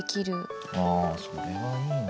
あそれはいいね。